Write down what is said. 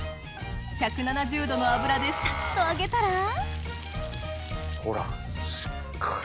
１７０℃の油でサッと揚げたらほらしっかり。